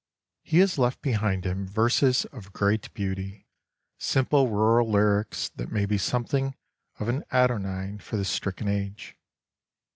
He has left behind him verses of great beauty, simple rural lyrics that may be something of an anodyne for this stricken age.